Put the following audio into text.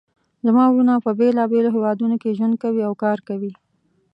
زما وروڼه په بیلابیلو هیوادونو کې ژوند کوي او کار کوي